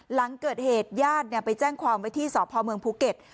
หลังเกิดเหตุญาติไปแจ้งความไว้ที่สพเมืองภูเก็ต